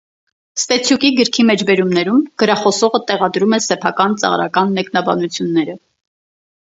Պ. Ստեցյուկի գրքի մեջբերումներում «գրախոսողը» տեղադրում է սեփական ծաղրական մեկնաբանությունները։